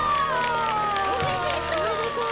おめでとう！